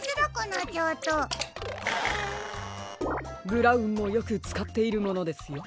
ブラウンもよくつかっているものですよ。